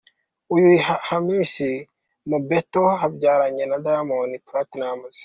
Uyu ni Hamisa Mobetto wabyaranye na Diamond Platnumz